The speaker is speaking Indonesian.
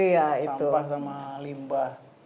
sampah sama limbah